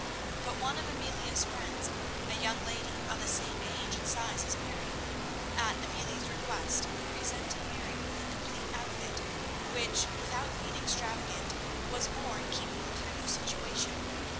But one of Amelia's friends, a young lady of the same age and size as Mary, at Amelia's request presented Mary with a complete outfit, which, without being extravagant, was more in keeping with her new situation.